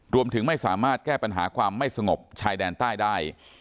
รวมถึงไม่สามารถแก้ปัญหาความไม่สงบชายแดนใต้ได้